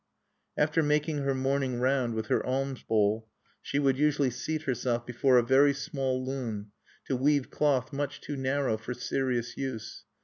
After making her morning round with her alms bowl, she would usually seat herself before a very small loom, to weave cloth much too narrow for serious use.